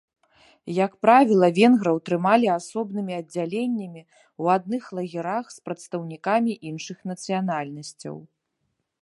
Як правіла венграў трымалі асобнымі аддзяленнямі ў адных лагерах з прадстаўнікамі іншых нацыянальнасцяў.